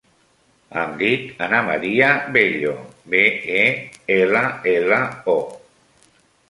Em dic Ana maria Bello: be, e, ela, ela, o.